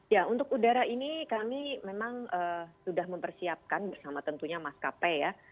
ya untuk udara ini kami memang sudah mempersiapkan bersama tentunya maskapai ya